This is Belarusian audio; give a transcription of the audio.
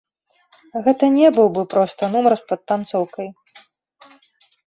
Гэта не быў бы проста нумар з падтанцоўкай.